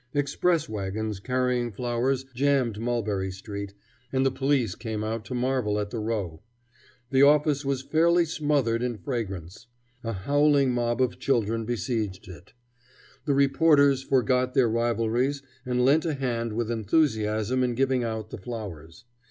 Express wagons carrying flowers jammed Mulberry Street, and the police came out to marvel at the row. The office was fairly smothered in fragrance. A howling mob of children besieged it. The reporters forgot their rivalries and lent a hand with enthusiasm in giving out the flowers.